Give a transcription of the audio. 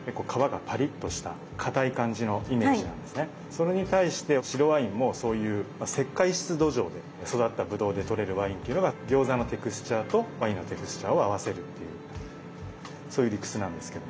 それに対して白ワインもそういう石灰質土壌で育ったブドウでとれるワインっていうのが餃子のテクスチャーとワインのテクスチャーを合わせるっていうそういう理屈なんですけど。